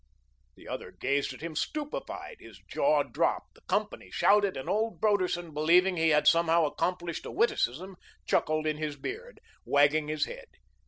The other gazed at him stupefied; his jaw dropped. The company shouted, and old Broderson, believing he had somehow accomplished a witticism, chuckled in his beard, wagging his head.